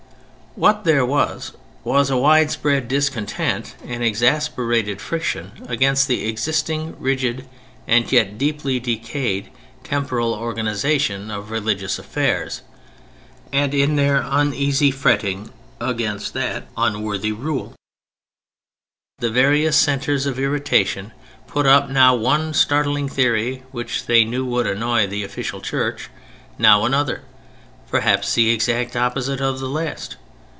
What there was, was a widespread discontent and exasperated friction against the existing, rigid, and yet deeply decayed, temporal organization of religious affairs; and in their uneasy fretting against that unworthy rule, the various centres of irritation put up now one startling theory which they knew would annoy the official Church, now another, perhaps the exact opposite of the last.